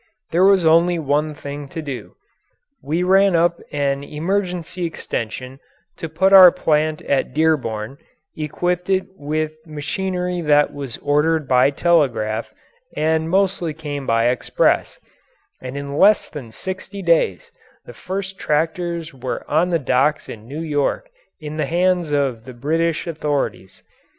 There was only one thing to do. We ran up an emergency extension to our plant at Dearborn, equipped it with machinery that was ordered by telegraph and mostly came by express, and in less than sixty days the first tractors were on the docks in New York in the hands of the British authorities.